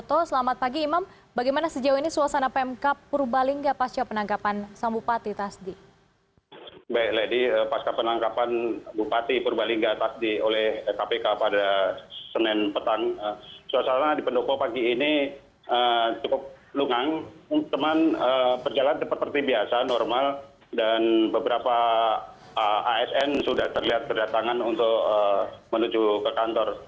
teman teman yang berjalan seperti biasa normal dan beberapa asn sudah terlihat terdatangan untuk menuju ke kantor